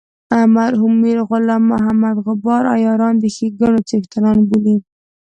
مرحوم میر غلام محمد غبار عیاران د ښیګڼو څښتنان بولي.